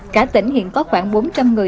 cả tỉnh hiện có khoảng bốn trăm linh người